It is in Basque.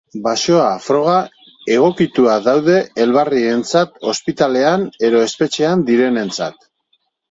Baxoa proba egokituak daude elbarrientzat, ospitalean edo espetxean direnentzat.